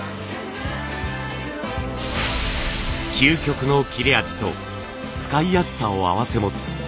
究極の切れ味と使いやすさを併せ持つ